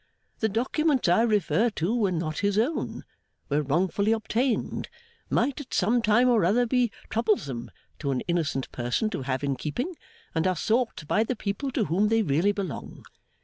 The documents I refer to were not his own, were wrongfully obtained, might at some time or other be troublesome to an innocent person to have in keeping, and are sought by the people to whom they really belong.